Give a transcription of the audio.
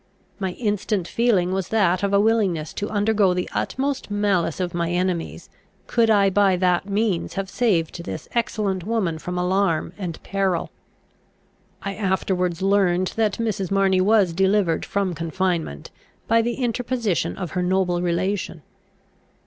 My instant feeling was that of a willingness to undergo the utmost malice of my enemies, could I by that means have saved this excellent woman from alarm and peril. I afterwards learned that Mrs. Marney was delivered from confinement, by the interposition of her noble relation.